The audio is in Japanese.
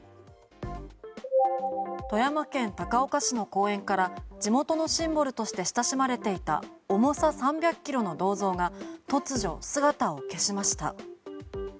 富山県高岡市の公園から地元のシンボルとして親しまれていた重さ３００キロの銅像が突如、姿を消しました。